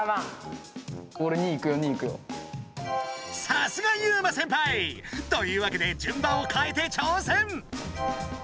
さすがユウマ先輩！というわけで順番を変えて挑戦！